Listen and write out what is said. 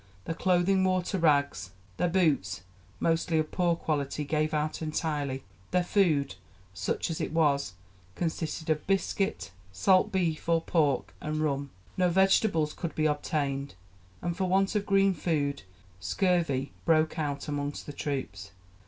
Their clothing wore to rags, their boots mostly of poor quality gave out entirely. Their food such as it was consisted of biscuit, salt beef or pork, and rum. No vegetables could be obtained, and for want of green food scurvy broke out among the troops.